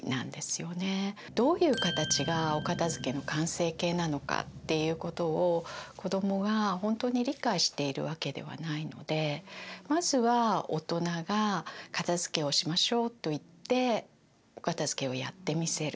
どういう形がお片づけの完成形なのかっていうことを子どもが本当に理解しているわけではないのでまずは大人が「片づけをしましょう」と言ってお片づけをやってみせる。